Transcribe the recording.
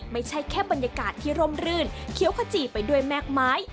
ไม่ใช่แค่บรรยากาศที่ร่มรื่นเคี้ยวขจีไปด้วยแม่กไม้